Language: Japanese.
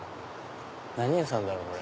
何屋さんだろう？